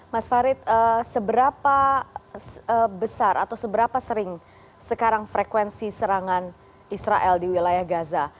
mas farid seberapa besar atau seberapa sering sekarang frekuensi serangan israel di wilayah gaza